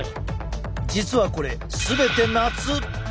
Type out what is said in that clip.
実はこれ全て夏。